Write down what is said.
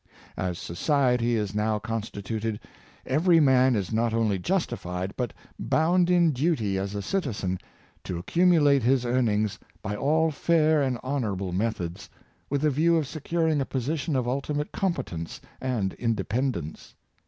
As society is now constituted, every man is not only justified, but bound in duty as a citizen, to accumulate his earnings by all fair and honorable methods, with the view of se curing a position of ultimate competence and independ ence.